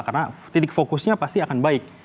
karena titik fokusnya pasti akan baik